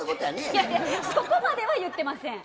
いやいやそこまでは言ってません。